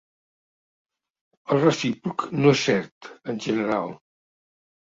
El recíproc no és cert, en general.